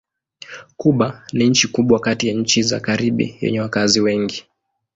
Kuba ni nchi kubwa kati ya nchi za Karibi yenye wakazi wengi.